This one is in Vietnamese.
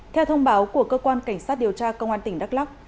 theo thông báo của cơ quan cảnh sát điều tra công an tỉnh đắk lắc